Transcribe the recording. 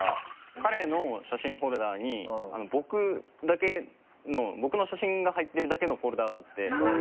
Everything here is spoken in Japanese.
彼の写真フォルダに僕だけの僕の写真が入ってるだけのフォルダがあって。